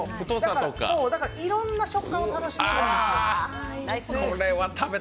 だからいろんな食感を楽しめるんですよ。